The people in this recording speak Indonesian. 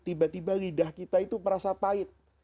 tiba tiba lidah kita itu merasa pahit